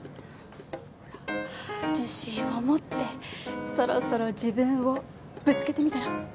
ほら自信を持ってそろそろ自分をぶつけてみたら？